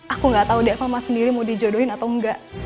aku gak tau deh sama mas sendiri mau dijodohin atau enggak